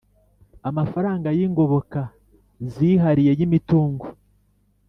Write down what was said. Amafaranga y ingoboka zihariye y imitungo